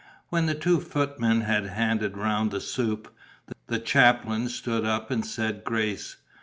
When the two footmen had handed round the soup, the chaplain stood up and said grace.